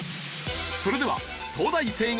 それでは東大生が選ぶ！